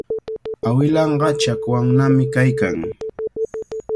Awilanqa chakwannami kaykan.